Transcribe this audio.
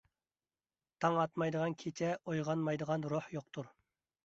تاڭ ئاتمايدىغان كېچە، ئويغانمايدىغان روھ يوقتۇر.